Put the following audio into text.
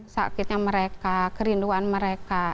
sakitnya mereka kerinduan mereka